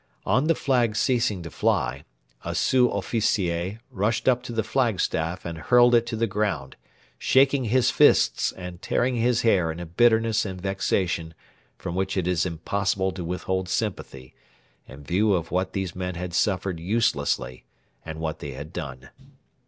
On the flag ceasing to fly, a sous officier rushed up to the flagstaff and hurled it to the ground, shaking his fists and tearing his hair in a bitterness and vexation from which it is impossible to withhold sympathy, in view of what these men had suffered uselessly and what they had done.